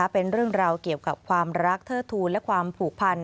เป็นเรื่องราวเกี่ยวกับความรักเทิดทูลและความผูกพัน